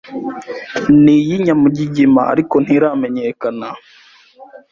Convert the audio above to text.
niyi nyamugigima ariko ntiramenyekana